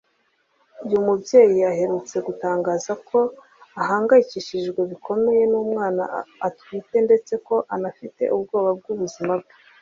uyu mubyeyi aherutse gutangaza ko ahangayikijijwe bikomeye n’umwana atwite ndetse ko anafite ubwoba bw’ubuzima bwe